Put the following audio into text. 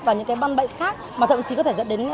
và những căn bệnh khác mà thậm chí có thể dẫn đến